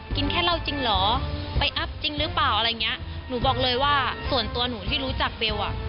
กินแค่เหล้าจริงหรอไปอัพจริงหรือเปล่าหนูบอกเลยว่าส่วนตัวหนูที่รู้จักเบล